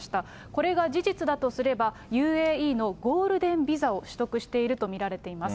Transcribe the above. これが事実だとすれば、ＵＡＥのゴールデンビザを取得していると見られています。